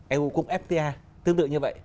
eu cũng fta tương tự như vậy